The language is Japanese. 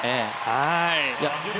はい。